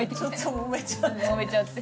もめちゃって。